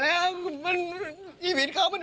ชีวิตเขามันไม่มีความสุข